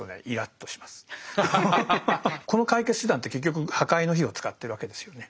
この解決手段って結局破壊の火を使ってるわけですよね。